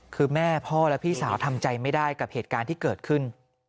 คือแม่พ่อและพี่สาวทำใจไม่ได้กับเหตุการณ์ที่เกิดขึ้น